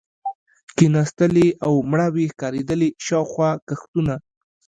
کېناستلې او مړاوې ښکارېدلې، شاوخوا کښتونه.